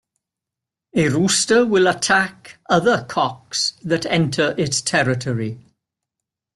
A rooster will attack other cocks that enter its territory.